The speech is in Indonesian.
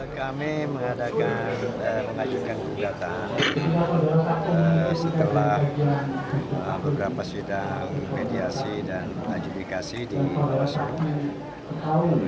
kami mengadakan dan mengajukan gugatan setelah beberapa sidang mediasi dan adjudikasi di luar suhu